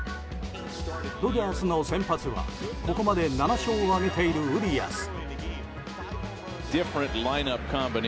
ドジャースの先発はここまで７勝を挙げているウリアス。